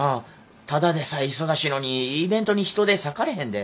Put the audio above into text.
ただでさえ忙しいのにイベントに人手割かれへんで。